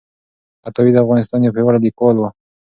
عطايي د افغانستان یو پیاوړی لیکوال و.